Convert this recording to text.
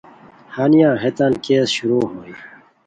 ہنیہ ہیتان کیس شروع ہوئے